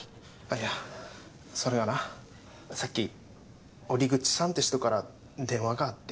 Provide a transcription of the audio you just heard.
いやそれがなさっき折口さんって人から電話があって。